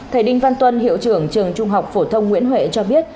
thầy đinh văn tuân hiệu trưởng trường trung học phổ thông nguyễn huệ cho biết